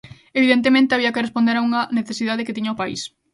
Evidentemente, había que responder a unha necesidade que tiña o país.